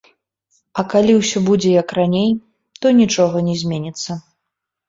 А калі ўсё будзе як раней, то нічога не зменіцца.